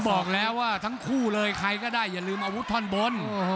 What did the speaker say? บอกแล้วว่าทั้งคู่เลยใครก็ได้อย่าลืมอาวุธท่อนบน